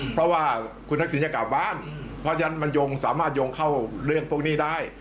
เพราะว่าคุณทักษิณจะกลับบ้านเพราะฉะนั้นมันยงสามารถโยงเข้าเรื่องพวกนี้ได้